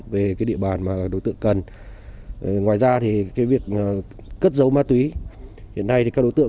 về cái địa bàn mà đối tượng cần ngoài ra thì cái việc cất dấu ma túy hiện nay thì các đối tượng